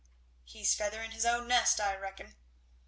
"He's feathering his own nest, I reckon."